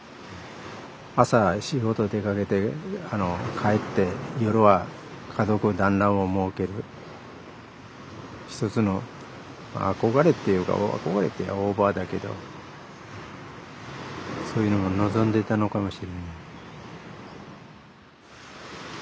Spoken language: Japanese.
朝仕事出かけて帰って夜は家族団らんを設ける一つの憧れって言うとオーバーだけどそういうのも望んでたのかもしれない。